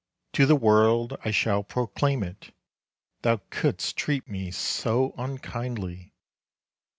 To the world I shall proclaim it, Thou could'st treat me so unkindly.